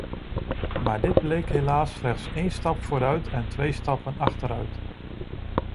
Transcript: Maar dit bleek helaas slechts één stap vooruit en twee stappen achteruit.